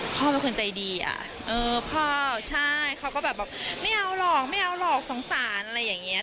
พ่อเป็นคนใจดีพ่อใช่เขาก็แบบไม่เอาหรอกสงสารอะไรอย่างเงี้ย